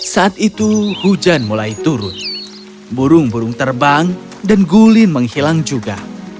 saat itu hujan mulai turun burung burung terbang dan gulin menghilang juga